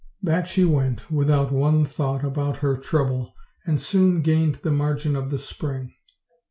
Back she went, without one thought about her trouble, and soon gained the margin of the spring.